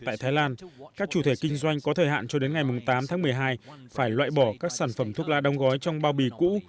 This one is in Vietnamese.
tại thái lan các chủ thể kinh doanh có thời hạn cho đến ngày tám tháng một mươi hai phải loại bỏ các sản phẩm thuốc lá đong gói trong bao bì cũ